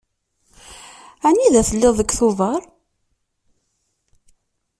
Anida telliḍ deg Tubeṛ?